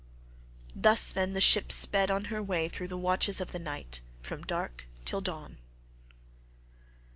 Thus, then, the ship sped on her way through the watches of the night from dark till dawn.